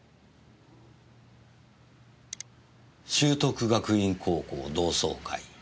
「習得学院高校・同窓会」。